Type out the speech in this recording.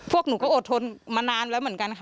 พวกหนูก็อดทนมานานแล้วเหมือนกันค่ะ